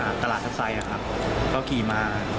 ขี่มอเตอร์ไซค์จากตลาดทัศน์ไซค์นะครับ